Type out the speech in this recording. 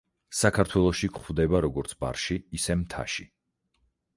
საქართველოში გვხვდება როგორც ბარში, ისე მთაში.